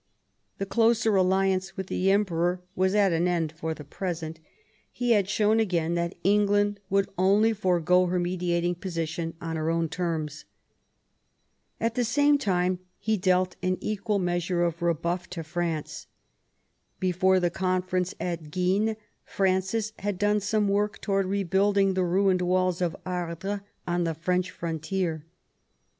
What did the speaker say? The closer alliance with the Emperor was at an end for the present ; he had shown again that England would only forego her mediating position on her own terms. At the same time he dealt an equal measure of rebuff to France. Before the conference at Guisnes Francis had done some work towards rebuilding the ruined walls of Ardres on the French frontier.